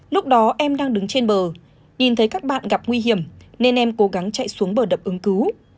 lúc đó em đang đứng trên bờ nhìn thấy các bạn gặp nguy hiểm nên em cố gắng chạy xuống bờ đập ứng cứu